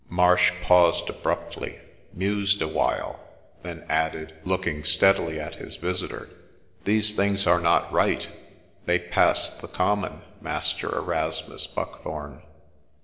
Marsh paused abruptly, mused awhile, then added, looking steadily at his visitor, ' These things are not right ; they pass the common, Master Erasmus Buckthorne.'